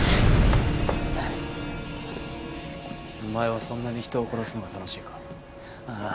お前はそんなに人を殺すのが楽しいかああ